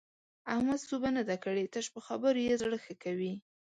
احمد سوبه نه ده کړې؛ تش په خبرو يې زړه ښه کوي.